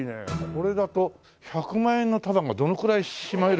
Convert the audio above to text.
これだと１００万円の束がどのくらいしまえるかな？